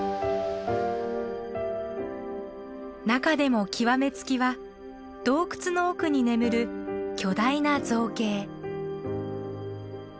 中でも極め付きは洞窟の奥に眠る巨大な造形。